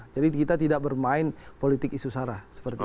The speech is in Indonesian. jadi kita tidak bermain politik isu sarah seperti itu